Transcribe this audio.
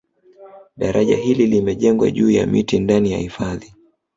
Daraja hili limejengwa juu ya miti ndani ya hifadhi